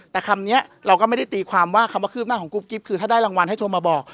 แต่คำนี้เราก็ไม่ได้ตีความว่าคำว่าคืบหน้าของกุ๊กกิ๊บคือถ้าได้รางวัลให้โทรมาบอก